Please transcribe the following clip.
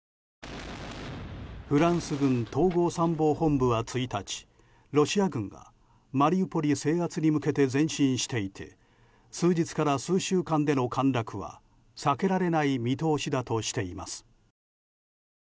フランス軍統合参謀本部は１日ロシア軍がマリウポリ制圧に向けて、前進していて数日から数週間での陥落は避けられない見通しだとしています。